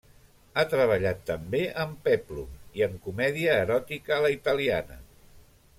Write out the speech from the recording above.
Ha treballat també en pèplum i en comèdia eròtica a la italiana.